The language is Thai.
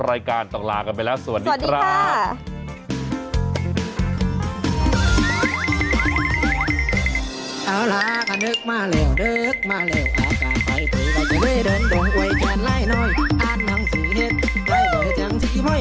ได้เกิดแสงสีม้อยเผาดีใจ